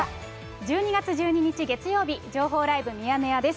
１２月１２日月曜日、情報ライブミヤネ屋です。